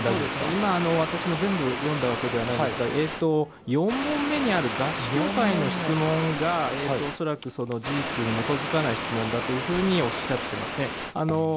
今、私も全部読んだわけではないんですけれども４問目にある雑誌協会の質問が恐らく事実に基づかない質問だとおっしゃっていますね。